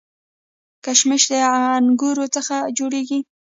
کشمش د انګورو څخه جوړیږي